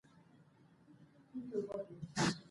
سندرې د شناخت او حافظې سره مرسته کوي.